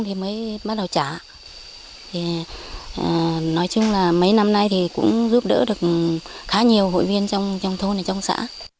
thì mới bắt đầu trả thì nói chung là mấy năm nay thì cũng giúp đỡ được khá nhiều hội viên trong thôn này trong xã